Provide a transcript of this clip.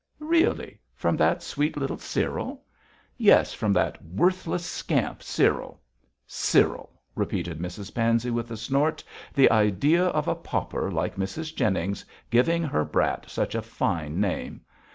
'Really! from that sweet little Cyril!' 'Yes, from that worthless scamp Cyril! Cyril,' repeated Mrs Pansey, with a snort, 'the idea of a pauper like Mrs Jennings giving her brat such a fine name.